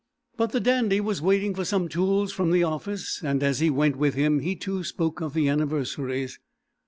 But the Dandy was waiting for some tools from the office, and as we went with him he, too, spoke of the anniversaries.